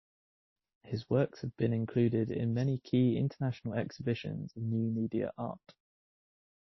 His works have been included in many key international exhibitions of new media art.